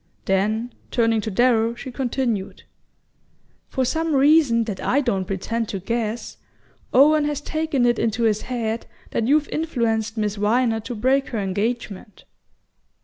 Then, turning to Darrow, she continued: "For some reason that I don't pretend to guess, Owen has taken it into his head that you've influenced Miss Viner to break her engagement."